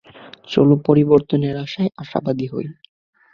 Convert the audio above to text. চলো পরিবর্তনের আশায় আশাবাদী হই।